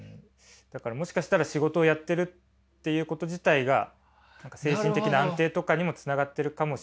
だからもしかしたら仕事をやってるっていうこと自体が精神的な安定とかにもつながってるかもしれない。